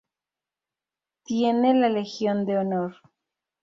Tiene la Legión de Honor.